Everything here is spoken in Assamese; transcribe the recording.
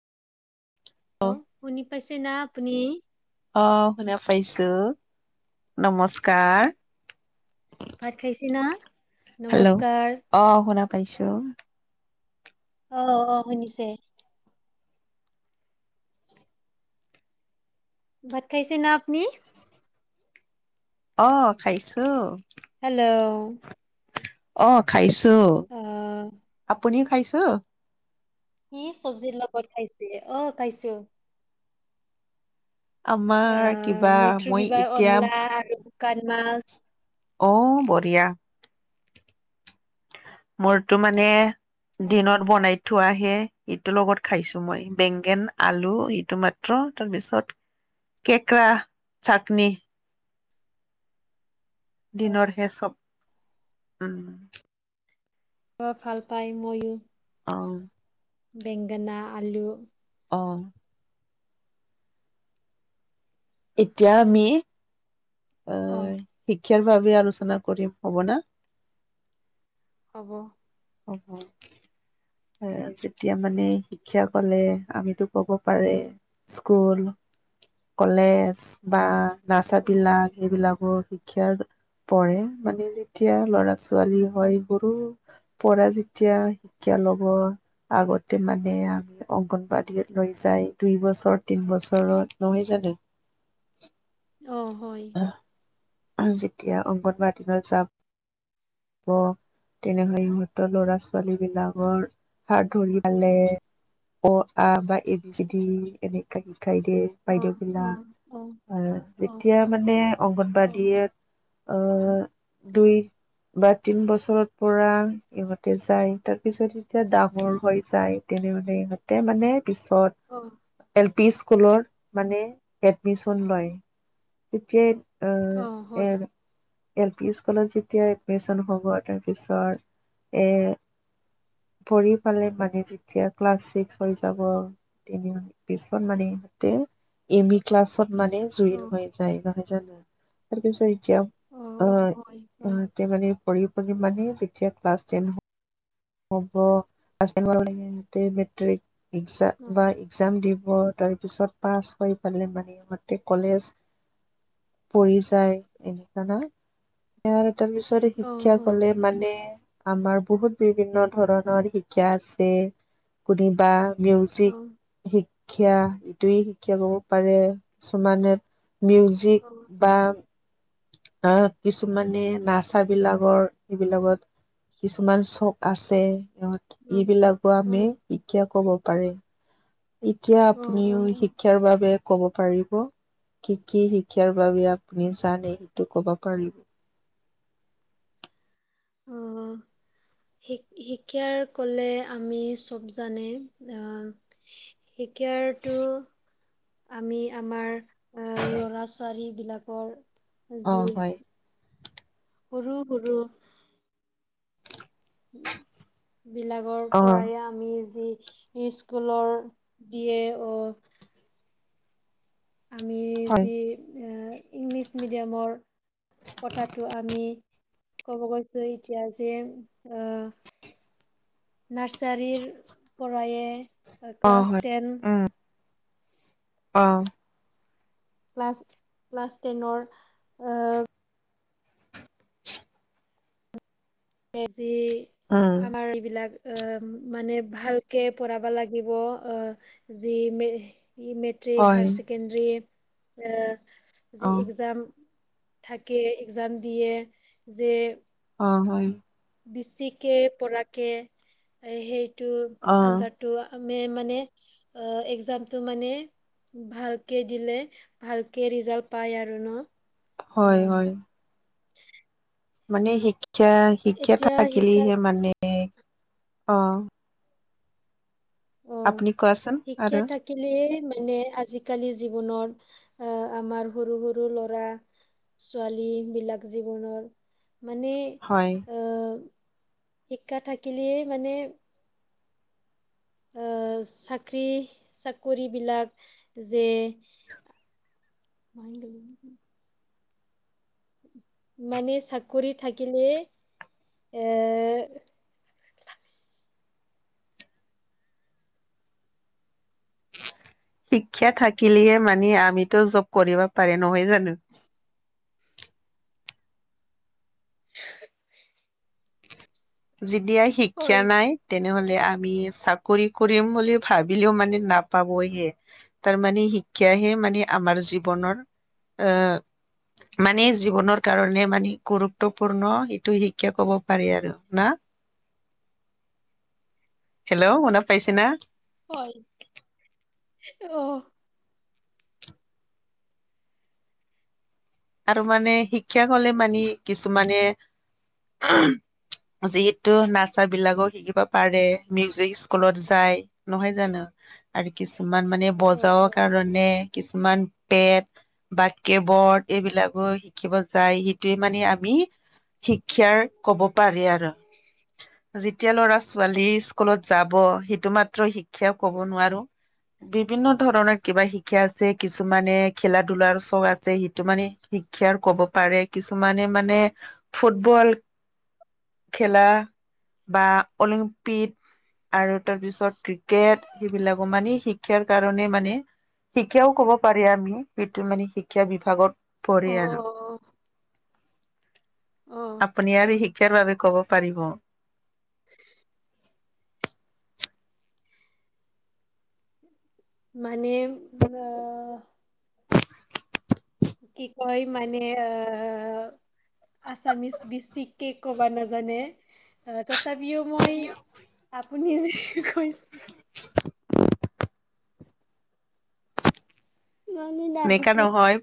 হেল্ল শুনি পাইছে না আপুনি? অ শুনা পাইছো নমস্কাৰ খাইছি না হেল্ল' নমস্কাৰ অ শুনা পাইছো অ অ শুনিছে ভাত খাইছে না আপুনি অ খাইছো হেল্ল' অ খাইছো অ'। আপুনিও খাইছো কি চব্জিৰ লগত খাইছে, অ খাইছো। আমাৰ আহ কিবা মৈত্ৰী মই বিবাহ এতিয়া অনলা আৰু শুকান মাছ অ বঢ়িয়া মোৰতো মানে দিনত বনাইত থোৱা হে এইটোৰ লগত খাইছো মই বেংগেন আলু সিটো মাত্ৰ তাৰপিছত কেক্ৰা চাটনি দিনৰ হে চব উম [unintelligible] ভাল পায় ময়ো অ বেংগেনা আলু অ এতিয়া আমি আহ অ', শিক্ষাৰ বাবে আলোচনা কৰিম হ'ব না হ'ব হ'ব হে যেতিয়া মানে শিক্ষা কলে আমিতো কব পাৰে স্কুল কলেজ বা নাৰ্চা অ', বিলাক সেইবিলাকো শিক্ষাৰ পৰে মানে যেতিয়া লৰা ছোৱালী হয় বোৰো পৰা যেতিয়া শিক্ষা লব আগতে মানে আমি অংগনবাদী লৈ যায় দুই বছৰ তিন বছৰত নহয় জানো অ হয় যেতিয়া অংগনবাড়ীলৈ যাম ব তেনেহলে ইহঁতৰ ল'ৰা ছোৱালী বিলাকৰ হাত ধৰি পালে অ আ বা এ বি চি দি এনেক শিকাই দিয়ে অ', বাইদেউ বিলাক অ', অ', আৰু অ', যেতিয়া মানে অংগনবাদী অ', অ দুই বা তিন বছৰত পৰা ইহঁতে যায় তাৰ পিছত এতিয়া ডাঙৰ হৈ যায় তেনে মানে ইহঁতে মানে পিছত অহ্ এল পি স্কুলৰ মানে এডমিশ্যন লয় তেতিয়াই অঁ, হয়। এল পি স্কুলত যেতিয়া এডমিশ্যন হ'ব তাৰপিছত এ পঢ়ি পালে মানে যেতিয়া ক্লাছ চিক্স হৈ যাব তেতিয়া পিছত মানে সিহঁতে এম ই ক্লাছত মানে জুইন অ', হৈ যায় নহয় জানো? তাৰপিছত এতিয়া অ সিহঁতে মানে পঢ়ি পঢ়ি মানে যেতিয়া ক্লাছ টেন হ হ'ব। ক্লাছ টেন পালেগে সিহঁতে বেটেৰী ৰিক্সা অ', বা এক্সাম দিব তাৰপিছত পাছ কৰি পালে মানে সিহঁতে কলেজ পঢ়ি যায় এনেকা ন'? ইয়াৰ তাৰপিছত উচ্চৰ অ', শিক্ষা হয়, গ'লে মানে আমাৰ বহুত বিভিন্ন ধৰণৰ শিক্ষা আছে কৰি বা মিউজিক অ', শিক্ষা ইটোৱে শিক্ষা ল'ব পাৰে। কিছুমানে মিউজ জিক অ'। বা আ কিছুমানে নাচা বিলাকৰ এইবিলাকত কিছুমান চক আছে ইহঁত উম, এইবিলাকো আমি উম, শিক্ষা ক'ব পাৰে। এতিয়া উম, আপুনিও উম, উম। শিক্ষাৰ বাবে ক'ব পাৰিব? কি কি শিক্ষাৰ বাবে আপুনি জানে সেইটো ক'ব পাৰিব? অঁ, অ। শিক্ শিক্ষাৰ ক'লে আমি চব জানে আ শিক্ষাৰটো আমি আমাৰ আঁ ল'ৰা-ছোৱালী বিলাকৰ অঁ, হয়। শুধু, শুধু। বিলাকৰ অ পৰা আমি যি স্কুলৰ দিয়ে অ আমি হয় যি ইংলিছ মিডিয়ামৰ কথাটো আমি ক'ব কৈছে এতিয়া যে আঁ নাৰ্চাৰীৰ পৰাই অ ক্লাছ হয় টেন অঁ। ক্লাছ, ক্লাছ টেনৰ আ য়া যি উম আমাৰ এইবিলাক আঁ মানে ভালকে পঢ়াব লাগিব আ যি মে যি মেট্ মেট্ৰিক, হয় হাই ছেকেণ্ডাৰী আ অ যি এক্সাম থাকে, এক্সাম দিয়ে যে অঁ, হয়। বেছিকে পৰাকে এ সেইটো অ অঞ্চাত টো আমি মানে আ এক্সামটো মানে ভালকে দিলে, ভালকে ৰিজাল্ট পাই আৰু ন'? অ হয়, হয়। মানে শিক্ষা, শিক্ষা এতিয়া শিক্ষা থাকিলেহে মানে অঁ। আপুনি কোৱাচোন আৰু কেলে মানে আজিকালি জীৱনৰ আ আমাৰ সৰু সৰু ল'ৰা ছোৱালী বিলাক জীৱনৰ মানে হয় শিক্ষা থাকিলে মানে। চাকৰি চাকৰিবিলাক যে। [unintelligible] মানে চাকৰি থাকিলে এ শিক্ষা থাকিলেহে মানে আমিতো জব কৰিব পাৰে নহয় জানো। [unintelligible] যেতিয়া শিক্ষা হয় নাই। তেনেহলে আমি চাকৰি কৰিম বুলি ভাবিলেও মানে নাপাবয়ে। তাৰমানে শিক্ষাহে মানে আমাৰ জীৱনৰ এ, মানে জীৱনৰ কাৰণে মানে গুৰুত্বপূৰ্ণ এইটো শিক্ষা কব পাৰি আৰু শুনা হেল্ল, শুনা পাইছে না। হয় অ, আৰু মানে শিক্ষা হলে মানি কিছুমানে। যিহেতু নাচ বিলাকো শিকিব পাৰে মিউজিক স্কুলত যায়। নহয় জানো। আৰু কিছুমান মানে অ বজাৰৰ কাৰণে কিছুমান পেট বা কেবৰ্ড, এইবিলাকো শিকিব যায় সেইটোৱে মানে আমি। শিক্ষাৰ কব পাৰি আৰু যেতিয়া লৰা ছোৱালী। স্কুলত যাব সেইটো মাত্ৰ শিক্ষাও ক'ব নোৱাৰো। বিভিন্ন ধৰণৰ কিবা শিক্ষা আছে কিছুমানে খেলা ধোলাৰ চখ আছে। কিুমানে শিক্ষাৰ কব পাৰে কিছুমানে মানে ফুটবল। খেলা বা অলিম্প পিট আৰু তাৰপিছত ক্ৰিকেট সেইবিলাকো মানে শ শিক্ষাৰ কাৰণে মানে শিক্ষাও কব পাৰি আমি সেইটো মানে শিক্ষা বিভাগত। পৰে অ অ আৰু অ অ আপুনি আৰু শিক্ষাৰ বাবে ক'ব পাৰিব। [unintelligible] মানে কি কয় মানে আ আছামিচ বেছিকে ক'ব নাজানে তথাপিও মই, আপুনি যে কৈছে, [inaudible] এনেকা [unintelligible] নহয়